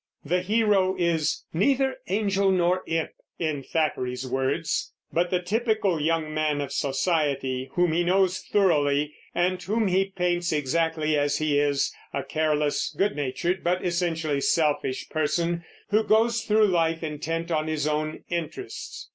The hero is "neither angel nor imp," in Thackeray's words, but the typical young man of society, whom he knows thoroughly, and whom he paints exactly as he is, a careless, good natured but essentially selfish person, who goes through life intent on his own interests.